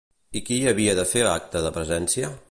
I qui hi havia de fer acte de presència?